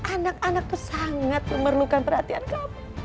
anak anak itu sangat memerlukan perhatian kamu